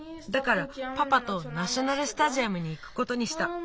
だからパパとナショナルスタジアムにいくことにした。